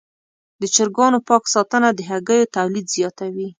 د چرګانو پاک ساتنه د هګیو تولید زیاتوي.